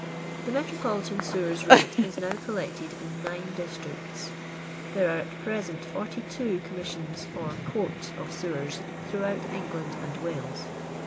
The metropolitan sewers rate is now collected in nine districts. There are at present 42 Commissions or Courts of Sewers throughout England and Wales.